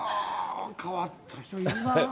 変わった人いるな。